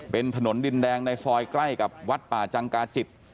เป็นถนนดินแดงในซอยใกล้กับวัดป่าจังกาจิต